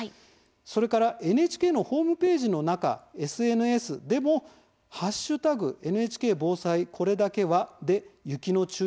それからＮＨＫのホームページの中ＳＮＳでも「＃ＮＨＫ防災これだけは」で雪の注意点、お伝えしています。